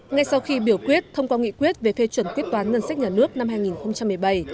ngay sau khi biểu quyết thông qua nghị quyết về phê chuẩn quyết toán ngân sách nhà nước năm hai nghìn một mươi bảy